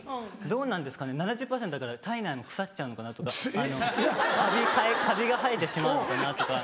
どうなんですかね７０％だから体内も腐っちゃうのかな？とかカビが生えてしまうのかな？とか。